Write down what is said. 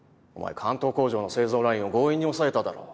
関東工場の製造ラインを強引に押さえただろ。